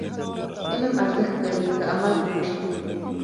علم ارزښت لري، که عمل پرې وشي.